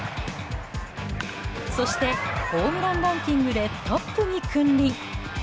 そしてホームランランキングでトップに君臨。